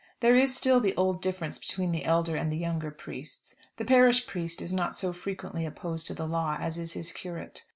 There is still the old difference between the elder and the younger priests. The parish priest is not so frequently opposed to the law, as is his curate.